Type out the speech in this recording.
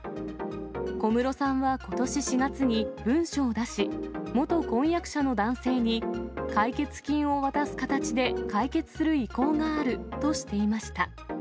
小室さんはことし４月に文書を出し、元婚約者の男性に、解決金を渡す形で解決する意向があるとしていました。